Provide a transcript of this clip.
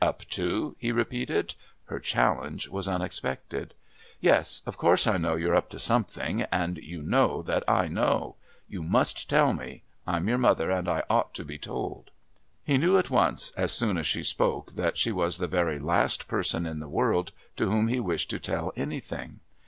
"Up to?" he repeated. Her challenge was unexpected. "Yes; of course I know you're up to something, and you know that I know. You must tell me. I'm your mother and I ought to be told." He knew at once as soon as she spoke that she was the very last person in the world to whom he wished to tell anything.